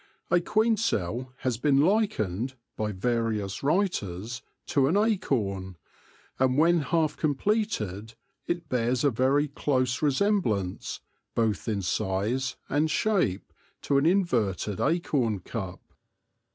A queen cell has been likened, by various writers, to an acorn, and when half completed it bears a very close resemblance, both in size and shape, to an inverted acorn cup.